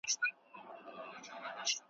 بس هر قدم مي د تڼاکو تصویرونه وینم ,